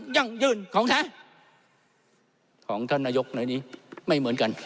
ยั่งยืนของแท้ของท่านนายกในนี้ไม่เหมือนกัน